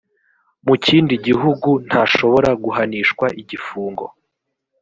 mu kindi gihugu ntashobora guhanishwa igifungo